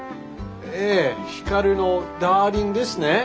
ええ光のダーリンですね。